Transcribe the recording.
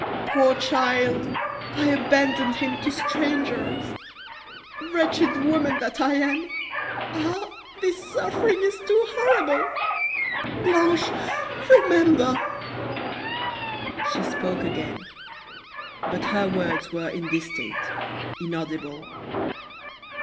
Poor child! I abandoned him to strangers. Wretched woman that I am! Ah! this suffering is too horrible. Blanche, remember " She spoke again, but her words were indistinct, inaudible.